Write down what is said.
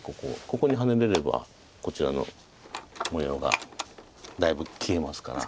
ここにハネれればこちらの模様がだいぶ消えますから。